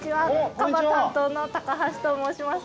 カバ担当の高橋と申します。